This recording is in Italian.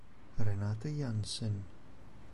Renate Jansen